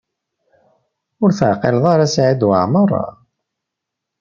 Ur teɛqileḍ ara Saɛid Waɛmaṛ?